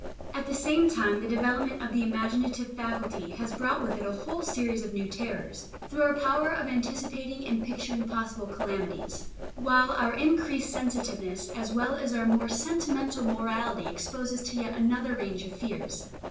At the same time the development of the imaginative faculty has brought with it a whole series of new terrors, through our power of anticipating and picturing possible calamities; while our increased sensitiveness as well as our more sentimental morality expose us to yet another range of fears.